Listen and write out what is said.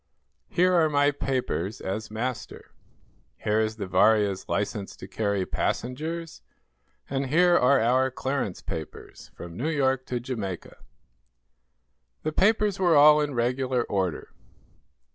Here are my papers, as master. Here is the 'Varia's' license to carry passengers, and here are our clearance papers, from New York to Jamaica." The papers were all in regular order.